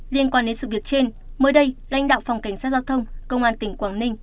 liên quan đến sự việc trên mới đây lãnh đạo phòng cảnh sát giao thông công an tỉnh quảng ninh